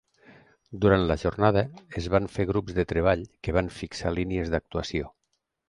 Durant la Jornada es van fer grups de treball que van fixar línies d’actuació.